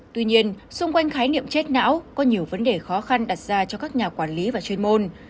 tuy nhiên xung quanh khái niệm chết não có nhiều vấn đề khó khăn đặt ra cho các nhà quản lý và chuyên môn